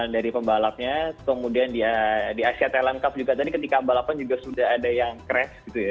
dari pembalapnya kemudian di asia talent cup juga tadi ketika balapan juga sudah ada yang crash gitu ya